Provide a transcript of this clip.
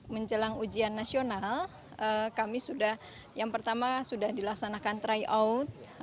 menjelang ujian nasional kami sudah yang pertama sudah dilaksanakan tryout